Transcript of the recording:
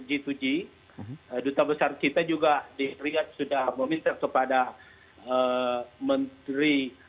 jadi duta besar kita juga di riyad sudah meminta kepada menteri hajis